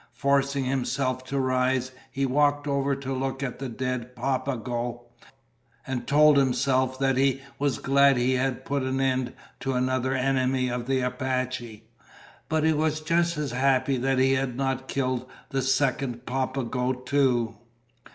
Forcing himself to rise, he walked over to look at the dead Papago, and told himself that he was glad he had put an end to another enemy of the Apache. But he was just as happy that he had not killed the second Papago too.